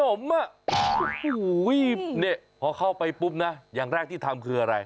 โอ้โหนี่พอเข้าไปปุ๊บนะอย่างแรกที่ทำคืออะไร